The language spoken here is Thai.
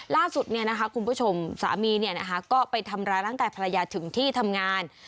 ล่าสุดคุณผู้ชมสามีก็ไปทำร้ายร่างกายภรรยาถึงที่ทำงาน